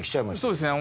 そうですね。